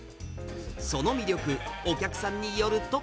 その魅力、お客さんによると。